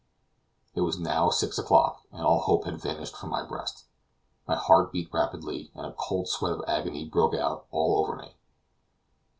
It was now six o'clock, and all hope had vanished from my breast; my heart beat rapidly, and a cold sweat of agony broke out all over me.